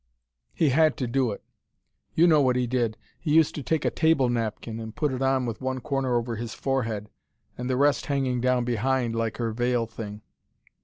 He had to do it. You know what he did. He used to take a table napkin, and put it on with one corner over his forehead, and the rest hanging down behind, like her veil thing.